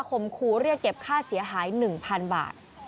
มคูเรียกเก็บค่าเสียหาย๑๐๐๐บาท